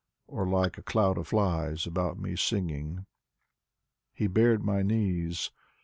Or like a cloud of flies about me singing. He bared my knees.